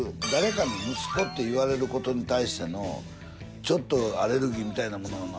誰かの息子って言われることに対してのちょっとアレルギーみたいなもの